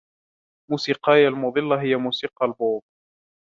موسيقايَ المضلة هي موسيقى البوب.